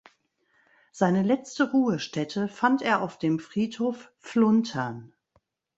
Seine letzte Ruhestätte fand er auf dem Friedhof Fluntern.